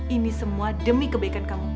ini semua demi kebaikan kamu